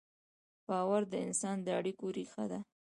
باور د انسان د اړیکو ریښه ده.